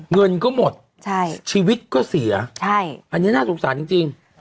เงินก็หมดชีวิตก็เสียใช่อันนี้น่าสงสารจริง